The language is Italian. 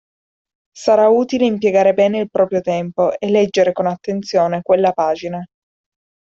Sarà utile impiegare bene il proprio tempo e leggere con attenzione quella pagina.